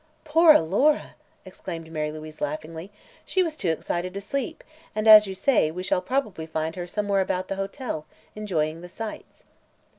"Poor Alora!" exclaimed Mary Louise laughingly; "she was too excited to sleep, and, as you say, we shall probably find her somewhere about the hotel, enjoying the sights."